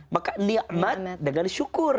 maka ni'mat dengan syukur